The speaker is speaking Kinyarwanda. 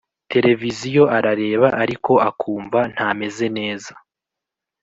television arareba ariko akumva ntameze neza